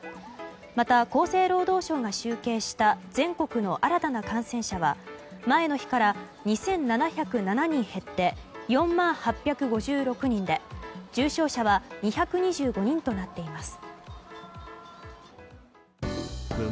また、厚生労働省が集計した全国の新たな感染者は前の日から２７０７人減って４万８５６人で重症者は２２５人となっています。